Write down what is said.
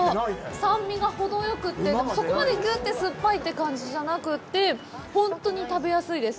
酸味が程よくて、でもそこまでぎゅって酸っぱいって感じじゃなくてほんとに食べやすいです。